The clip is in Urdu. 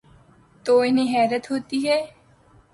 تو انہیں حیرت ہو تی ہے۔